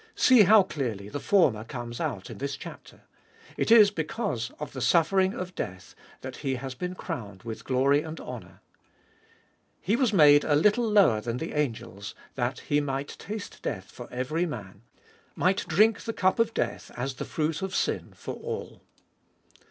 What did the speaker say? See how clearly the former comes out in this chapter. It is because of the suffering of death, that He has been crowned with glory and honour. " He was made a little lower than the angels that He might taste death for every man," might drink the cup of death, as the fruit of sin, for all.